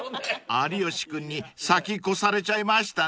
［有吉君に先越されちゃいましたね］